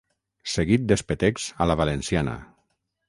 Seguit d'espetecs a la valenciana.